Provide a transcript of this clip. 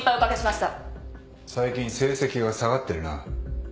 最近成績が下がってるな。